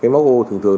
máu ô thường thường